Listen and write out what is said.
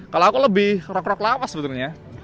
kalau aku lebih rock rock lawas sebenarnya